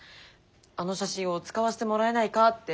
あの写真を使わせてもらえないかって。